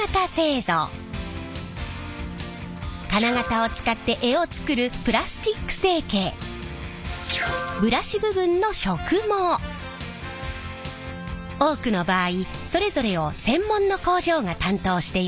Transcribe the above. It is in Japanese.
金型を使って柄を作るブラシ部分の多くの場合それぞれを専門の工場が担当しています。